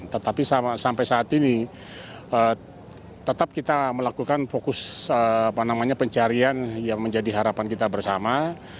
tetapi sampai saat ini tetap kita melakukan fokus pencarian yang menjadi harapan kita bersama